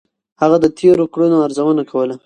هغه د تېرو کړنو ارزونه کوله.